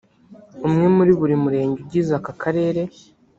umwe muri buri murenge ugize aka Karere